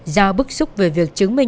do bức xúc về việc chứng minh